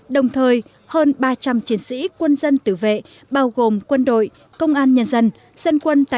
đồng thời hơn ba trăm linh chiến sĩ quân dân tử vệ bao gồm quân đội công an nhân dân dân quân